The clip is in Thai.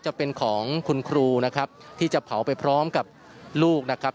จะเป็นของคุณครูนะครับที่จะเผาไปพร้อมกับลูกนะครับ